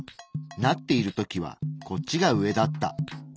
なっている時はこっちが上だった。